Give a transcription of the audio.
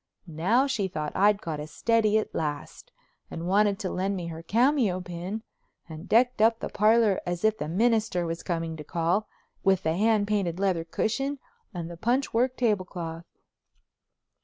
Now she thought I'd got a steady at last and wanted to lend me her cameo pin, and decked up the parlor as if the minister was coming to call, with the hand painted leather cushion and the punch work tablecloth.